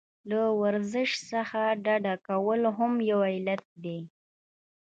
له ورزش څخه ډډه کول هم یو علت دی.